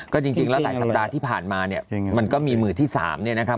ก็จริงแล้วหลายสัปดาห์ที่ผ่านมาเนี่ยมันก็มีมือที่๓เนี่ยนะครับ